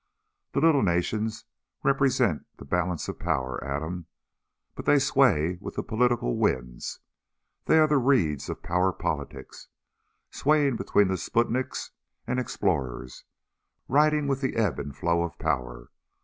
The little nations represent the balance of power, Adam. But they sway with the political winds. They are the reeds of power politics ... swaying between the Sputniks and Explorers, riding with the ebb and flow of power